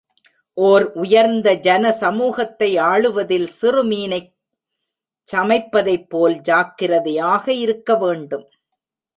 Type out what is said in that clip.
ஓர் உயர்ந்த ஜனசமூகத்தை ஆளுவதில் சிறுமீனைக் சமைப்பதைப் போல் ஜாக்கிரதையாக இருக்கவேண்டும்.